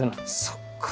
そっか！